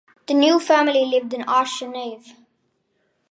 The new family lived in Arsenyev.